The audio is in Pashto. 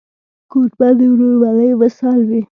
کوربه د ورورولۍ مثال وي.